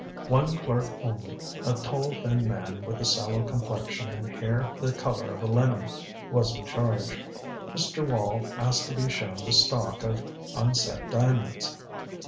One clerk only a tall thin man with a sallow complexion and hair the color of a lemon was in charge. Mr. Wall asked to be shown the stock of unset diamonds.